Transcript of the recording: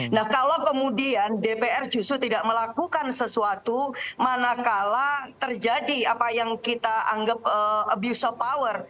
nah kalau kemudian dpr justru tidak melakukan sesuatu manakala terjadi apa yang kita anggap abuse of power